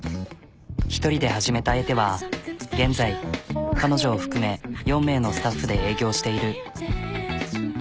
１人で始めたｔは現在彼女を含め４名のスタッフで営業している。